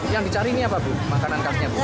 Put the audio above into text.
yang dicari ini apa bu makanan khasnya bu